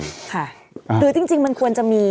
หรือจริงมันควรจะมี